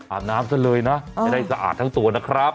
อาบน้ำซะเลยนะไม่ได้สะอาดทั้งตัวนะครับ